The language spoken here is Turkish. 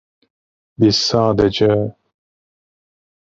Biz sadece...